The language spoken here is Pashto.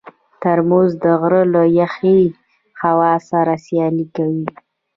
ترموز د غره له یخې هوا سره سیالي کوي.